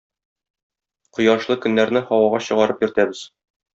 Кояшлы көннәрне һавага чыгарып йөртәбез